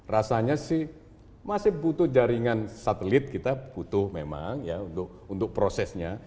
rasanya sih masih butuh jaringan satelit kita butuh memang ya untuk prosesnya